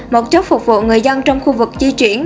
một chất phục vụ người dân trong khu vực di chuyển